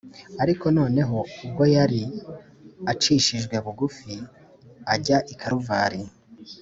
ariko noneho ubwo yari acishijwe bugufi ajya i kaluvari